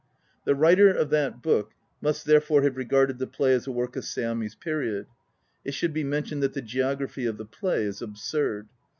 The writer of that book must therefore have regarded the play as a work of Seami's period. It should be men tioned that the geography of the play is absurd.